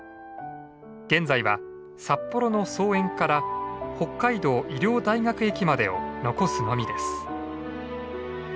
現在は札幌の桑園から北海道医療大学駅までを残すのみです。